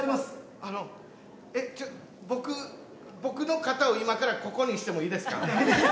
え、僕の肩を今からここにしてもいいですか。